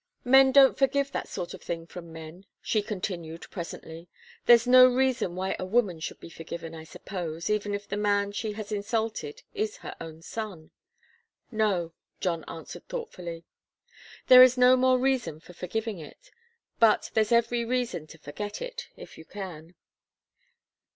"Men don't forgive that sort of thing from men," she continued presently. "There's no reason why a woman should be forgiven, I suppose, even if the man she has insulted is her own son." "No," John answered thoughtfully. "There is no more reason for forgiving it. But there's every reason to forget it, if you can."